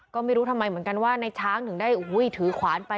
ก็ไม่รู้ทำไมเหมือนกันว่าในช้างถึงได้ถือขวานไป